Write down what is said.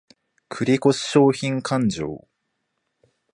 繰越商品勘定